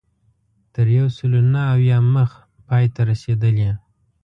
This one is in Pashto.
تر یو سلو نهه اویا مخ پای ته رسېدلې.